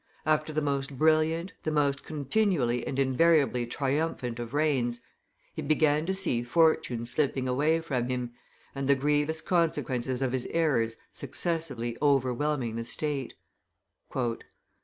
After the most brilliant, the most continually and invariably triumphant of reigns, he began to see Fortune slipping away from him, and the grievous consequences of his errors successively overwhelming the state.